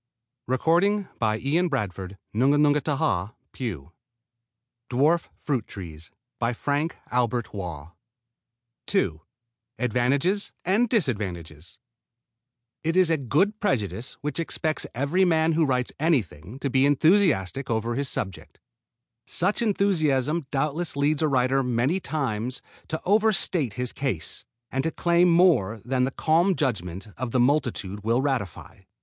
3 BISMARCK APPLE, FIRST YEAR PLANTED 22 inches high; bearing 4 fruits] II ADVANTAGES AND DISADVANTAGES It is a good prejudice which expects every man who writes anything to be enthusiastic over his subject. Such enthusiasm doubtless leads a writer many times to over state his case, and to claim more than the calm judgment of the multitude will ratify.